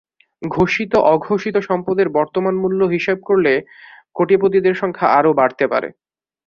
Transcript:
ঘোষিত-অঘোষিত সম্পদের বর্তমান মূল্য হিসাব করলে কোটিপতিদের সংখ্যা আরও বাড়তে পারে।